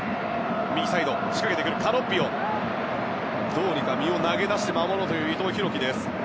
どうにか身を乗り出して守ろうという伊藤洋輝。